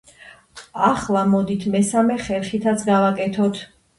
ახლა მოდით მესამე ხერხითაც გავაკეთოთ.